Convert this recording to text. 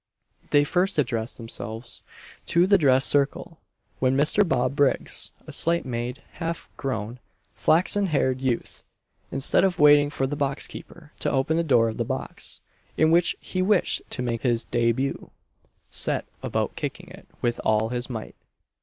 They first addressed themselves to the dress circle, when Mr. Bob Briggs, a slight made, half grown, flaxen haired youth, instead of waiting for the box keeper to open the door of the box in which he wished to make his début, set about kicking it with all his might.